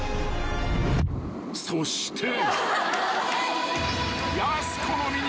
［そして］